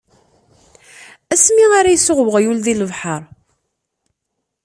Asmi ara isuɣ uɣyul di lebḥer.